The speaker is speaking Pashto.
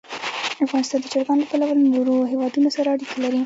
افغانستان د چرګان له پلوه له نورو هېوادونو سره اړیکې لري.